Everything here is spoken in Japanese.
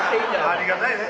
ありがたいね。